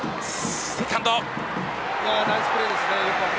ナイスプレーです。